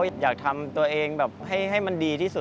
อยากทำตัวเองแบบให้มันดีที่สุด